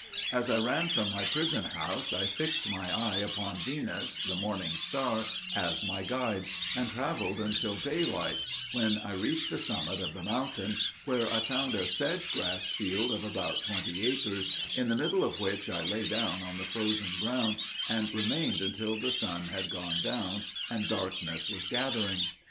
As I ran from my prison house I fixed my eye upon Venus, the morning star, as my guide, and traveled until daylight, when I reached the summit of the mountain, where I found a sedge grass field of about twenty acres, in the middle of which I lay down on the frozen ground and remained until the sun had gone down and darkness was gathering.